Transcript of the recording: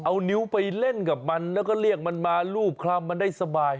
เอานิ้วไปเล่นกับมันแล้วก็เรียกมันมารูปคลำมันได้สบาย